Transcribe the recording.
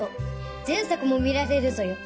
前作も見られるぞよ